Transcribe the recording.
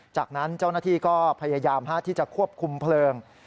จากนั้นเจ้าหน้าที่ก็พยายามที่จะควบคุมเพลิง